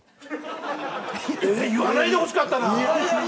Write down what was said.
言わないでほしかったな。